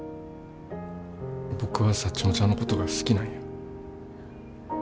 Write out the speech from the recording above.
僕はサッチモちゃんのことが好きなんや。